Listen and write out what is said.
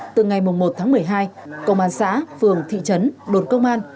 từ ngày một tháng một mươi hai công an xã phường thị trấn đồn công an